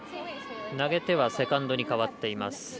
投げ手はセカンドに変わっています。